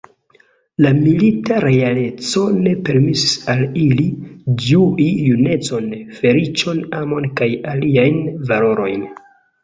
La milita realeco ne permesis al ili ĝui junecon, feliĉon, amon kaj aliajn valorojn.